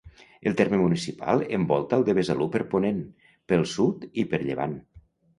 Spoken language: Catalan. El terme municipal envolta el de Besalú per ponent, pel sud i per llevant.